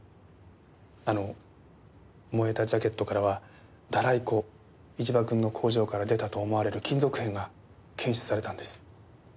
あの燃えたジャケットからはダライ粉一場君の工場から出たと思われる金属片が検出されたんです。